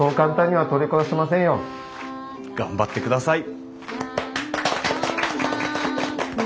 頑張ってください。